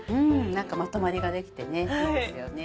何かまとまりができていいですよね。